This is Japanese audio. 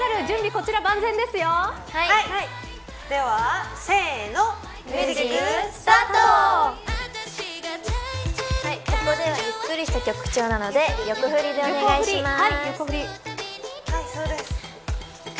ここではゆっくりした曲調なので横振りでお願いします。